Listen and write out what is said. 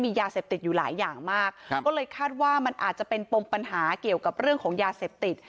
ยาเสพติดอยู่หลายอย่างมากครับก็เลยคาดว่ามันอาจจะเป็นปมปัญหาเกี่ยวกับเรื่องของยาเสพติด